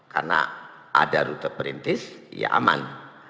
karena ada rute perintis ya aman